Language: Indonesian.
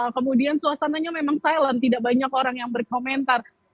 kemudian suasananya memang silent tidak banyak orang yang berkomentar